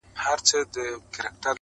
د هر يزيد زړه کي ايله لکه لړم ښه گراني~